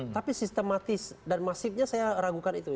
tapi sistematis dan masifnya saya ragukan itu